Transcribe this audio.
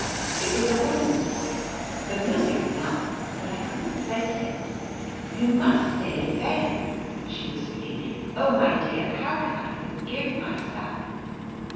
It was a woman's voice,, familiar enough, but I couldn't place it. "You must stay in bed, Ruth," she was^ pleading. "Oh, my dear, how can I forgive myself!"